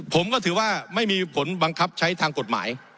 ผมก็ถือว่าไม่มีผลบังคับใช้ทางกฎหมาย